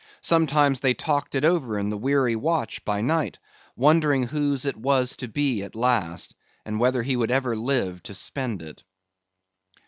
Sometimes they talked it over in the weary watch by night, wondering whose it was to be at last, and whether he would ever live to spend it.